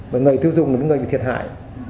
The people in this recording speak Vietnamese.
mà người tiêu dùng là người thiệt hại